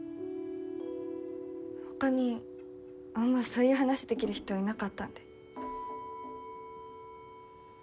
他にあんまそういう話できる人いなかったんで。